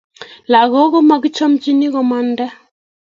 lakok komakichamchi kumanda